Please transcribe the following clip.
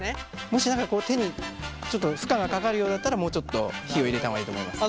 もし何か手に負荷が掛かるようだったらもうちょっと火を入れた方がいいと思います。